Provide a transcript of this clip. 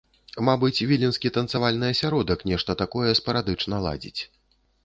Мабыць, віленскі танцавальны асяродак нешта такое спарадычна ладзіць.